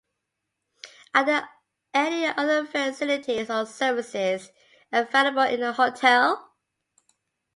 Are there any other facilities or services available in the hotel?